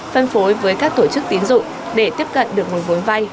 phân phối với các tổ chức tín dụng để tiếp cận được nguồn vốn vay